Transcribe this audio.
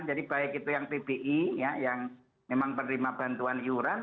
jadi baik itu yang pbi yang memang menerima bantuan iuran